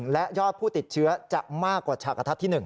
และยอดผู้ติดเชื้อจะมากกว่าฉากกระทัดที่๑